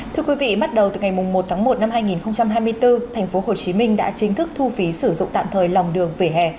thưa quý vị bắt đầu từ ngày một tháng một năm hai nghìn hai mươi bốn tp hcm đã chính thức thu phí sử dụng tạm thời lòng đường vỉa hè